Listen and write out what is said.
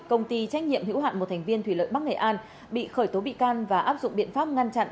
công ty trách nhiệm hữu hạn một thành viên thủy lợi bắc nghệ an bị khởi tố bị can và áp dụng biện pháp ngăn chặn